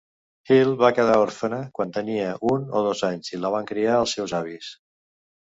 Hill va quedar òrfena quan tenia un o dos anys i la van criar els seus avis.